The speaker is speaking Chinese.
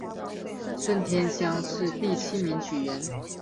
顺天乡试第七名举人。